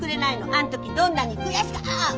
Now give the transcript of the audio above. あの時どんなに悔しいあっ。